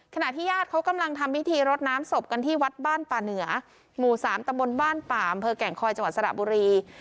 ขณะที่ญาติเขากำลังทำพิธีรดน้ำศพกันที่วัดบ้านป่าเหนือหมู่สามตะบนบ้านป่าอำเภอแก่งคอยจังหวัดสระบุรี